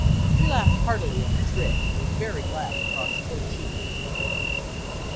We laughed heartily at the trick and were very glad to cross so cheaply.